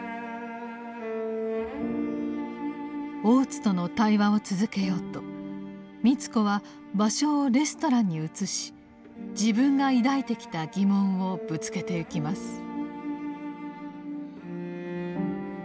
大津との対話を続けようと美津子は場所をレストランに移し自分が抱いてきた疑問をぶつけてゆきます。